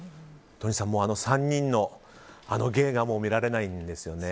都仁さん、３人のあの芸がもう見られないんですよね。